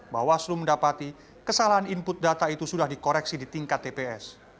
bawaslu mendapati kesalahan input data itu sudah dikoreksi di tingkat tps